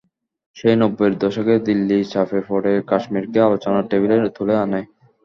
সেই নব্বইয়ের দশকে দিল্লি চাপে পড়ে কাশ্মীরকে আলোচনার টেবিলে তুলে আনে।